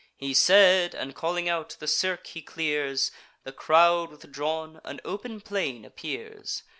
He said; and, calling out, the cirque he clears. The crowd withdrawn, an open plain appears.